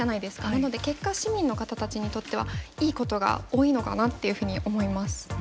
なので結果市民の方たちにとってはいいことが多いのかなっていうふうに思います。